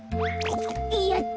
やった。